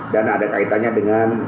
dan ada kaitannya dengan